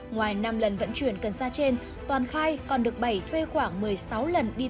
ngoài năm lần vận chuyển cần sa trên toàn khai còn được bảy thuê khoảng một mươi sáu lần đi